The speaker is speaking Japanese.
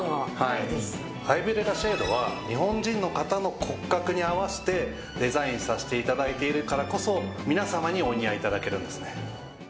アイブレラシェードは日本人の方の骨格に合わせてデザインさせて頂いているからこそ皆様にお似合い頂けるんですね。